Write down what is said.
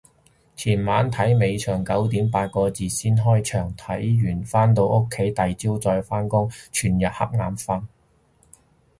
前晚睇尾場九點八個字先開場，睇完返到屋企第朝再返工，全日恰眼瞓